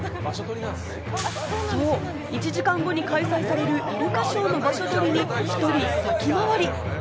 １時間後に開催されるイルカショーの場所取りに一人、先回り。